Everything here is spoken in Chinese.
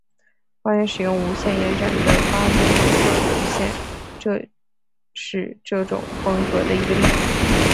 花园使用无限延伸的巴洛克轴线就是这种风格的一个例子。